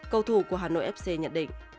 cầu thủ của hà nội fc nhận định